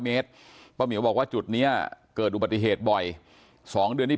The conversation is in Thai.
เมตรป้าเหมียวบอกว่าจุดนี้เกิดอุบัติเหตุบ่อย๒เดือนที่